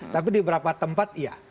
tapi di beberapa tempat iya